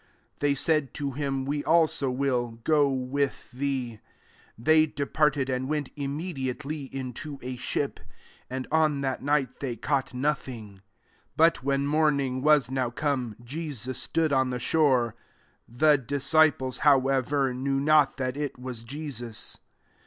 They said to him, "We also vnll go with thee." They departed, and went [im mediAteiy] into a ship; and on that night they caught nothing. 4 But when morning was now come, Jesus stood on the shore: the disciples, however, knew not that it was Jesus.